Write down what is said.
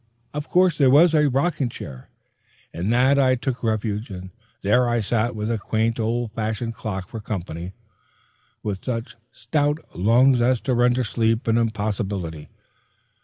Of course there was a rocking chair; in that I took refuge, and there I sat with a quaint old fashioned clock for company, with such stout lungs as to render sleep an impossibility.